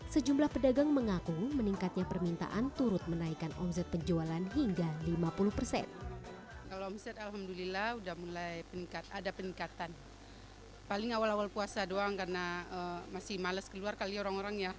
sejumlah pedagang mengaku meningkatnya permintaan turut menaikkan omset penjualan hingga lima puluh persen